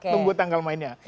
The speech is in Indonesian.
tunggu tanggal mainnya